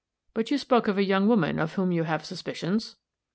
But you spoke of a young woman, of whom you have suspicions."